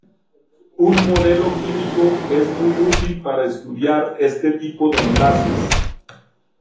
Un modelo químico es muy útil para estudiar este tipo de enlaces.